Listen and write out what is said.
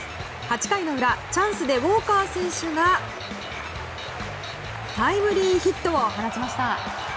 ８回の裏、チャンスでウォーカー選手がタイムリーヒットを放ちました。